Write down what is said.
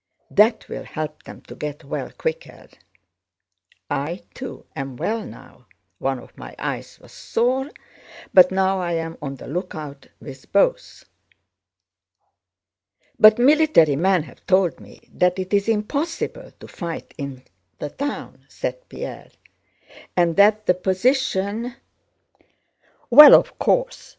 That will help them to get well quicker. I, too, am well now: one of my eyes was sore but now I am on the lookout with both. "But military men have told me that it is impossible to fight in the town," said Pierre, "and that the position..." "Well, of course!